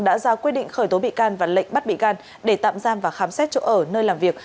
đã ra quyết định khởi tố bị can và lệnh bắt bị can để tạm giam và khám xét chỗ ở nơi làm việc